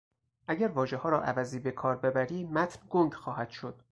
اگر واژهها را عوضی بکار ببری متن گنگ خواهد شد.